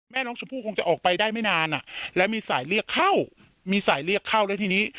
แม่น้องชมพู่คงจะออกไปได้ไม่นานอ่ะแล้วมีสายเรียกเข้ามีสายเรียกเข้าแล้วทีนี้